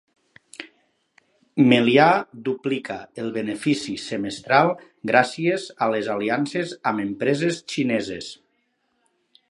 Melià duplica el benefici semestral gràcies a les aliances amb empreses xineses